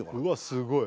すごい